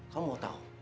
kamu mau tahu